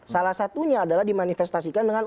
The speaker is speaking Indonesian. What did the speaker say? salah satunya adalah dimanifestasikan dengan